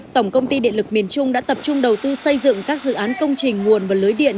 tổng công ty điện lực miền trung đã tập trung đầu tư xây dựng các dự án công trình nguồn và lưới điện